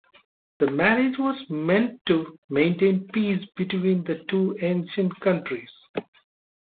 The marriage was meant to maintain peace between the two ancient countries.